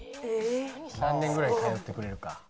何年ぐらい通ってくれるか。